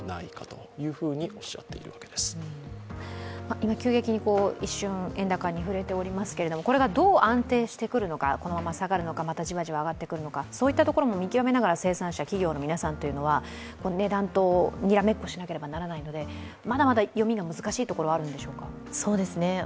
今急激に一瞬、円高に振れておりますけれども、これがどう安定してくるのか、このまま下がるのか、じわじわ上がってくるのか、そういったところも見極めながら、生産者、企業さんは値段とにらめっこしなければならないのでまだまだ読みが難しいところがあるんでしょうか？